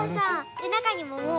でなかにももう。